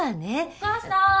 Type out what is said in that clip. ・お母さん。